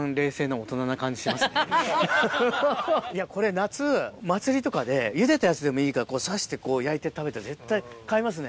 いやこれ夏祭りとかでゆでたやつでもいいから刺して焼いて絶対買いますね。